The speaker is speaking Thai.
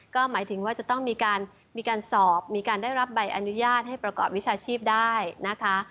ก็หมายถึงว่าจะต้องมีการสอบมีการได้รับใบอนุญาตให้ประกอบวิชาชีพได้นะคะ